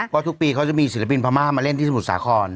เพราะทุกปีเขาจะมีศิลปินพม่ามาเล่นที่สมุทรสาคร